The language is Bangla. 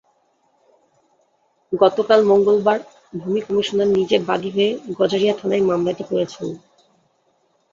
গতকাল মঙ্গলবার ভূমি কমিশনার নিজে বাদী হয়ে গজারিয়া থানায় মামলাটি করেছেন।